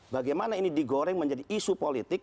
bagaimana ini digoreng menjadi isu politik